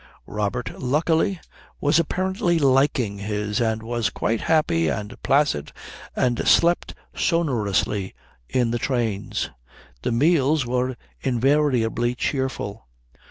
Robert, luckily, was apparently liking his and was quite happy and placid and slept sonorously in the trains. The meals were invariably cheerful.